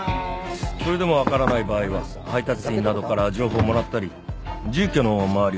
それでもわからない場合は配達員などから情報をもらったり住居の周りを調べる。